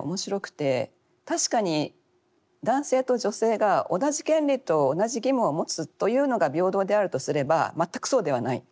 面白くて確かに男性と女性が同じ権利と同じ義務を持つというのが平等であるとすれば全くそうではない。